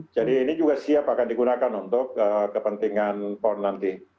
jadi ini juga siap akan digunakan untuk kepentingan pon nanti